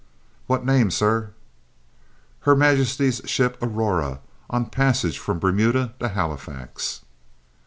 "What name, sir?" "Her Majesty's ship Aurora, on passage from Bermuda to Halifax."